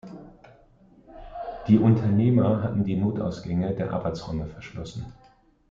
Die Unternehmer hatten die Notausgänge der Arbeitsräume verschlossen.